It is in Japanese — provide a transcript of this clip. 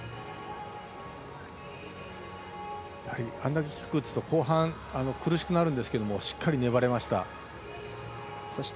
あれだけキック打つと後半、つらくなるんですけどしっかり粘れました。